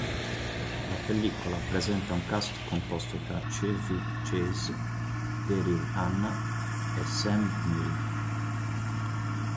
La pellicola presenta un cast composto da Chevy Chase, Daryl Hannah e Sam Neill.